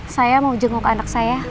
saya mau jenguk anak saya